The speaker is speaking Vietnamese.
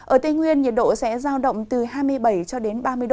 ở tây nguyên nhiệt độ sẽ giao động từ hai mươi bảy cho đến ba mươi độ